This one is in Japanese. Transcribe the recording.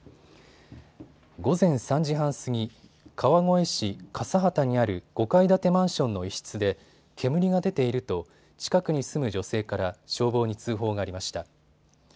午前３時半過ぎ、川越市笠幡にある５階建てマンションの一室で煙が出ていると近くに住む女性から消防に通報がありました。